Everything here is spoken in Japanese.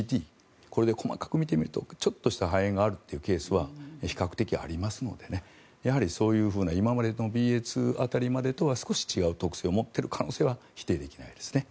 これで細かく見てみるとちょっとした肺炎があるというケースは比較的ありますのでそういうふうな今までのＢＡ．２辺りまでとは少し違う特性を持っている可能性は否定できないですね。